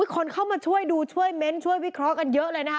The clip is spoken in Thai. คนเข้ามาช่วยดูช่วยเม้นช่วยวิเคราะห์กันเยอะเลยนะคะ